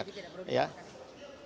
itu tidak perlu diperbolehkan